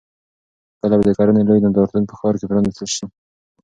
کله به د کرنې لوی نندارتون په ښار کې پرانیستل شي؟